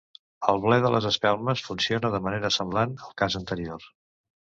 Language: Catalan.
El ble de les espelmes funciona de manera semblant al cas anterior.